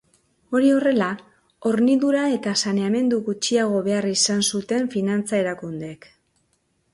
Hori horrela, hornidura eta saneamendu gutxiago behar izan zuten finantza erakundeek.